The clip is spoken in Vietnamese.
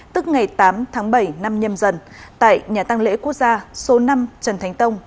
tức ngày tám tháng bảy năm nhâm dần tại nhà tăng lễ quốc gia số năm trần thánh tông